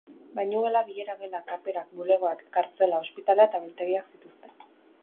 Bainugela, bilera-gela, kaperak, bulegoak, kartzela, ospitalea eta biltegiak zituzten.